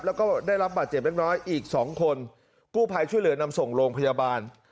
แล้วก็ได้รับบาดเจ็บเล็กน้อยอีกสองคนกู้ภัยช่วยเหลือนำส่งโรงพยาบาล